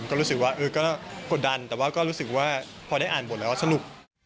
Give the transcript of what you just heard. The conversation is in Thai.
ก็รู้สึกว่าก็กดดันแต่ว่าก็รู้สึกว่าพอได้อ่านบทแล้วสนุก